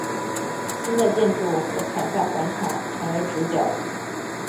新的建筑和凯撒广场成为直角。